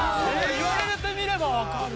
言われてみれば分かる！